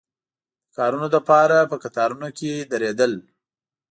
د کارونو لپاره په کتارونو کې درېدل.